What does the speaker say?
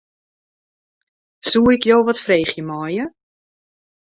Soe ik jo wat freegje meie?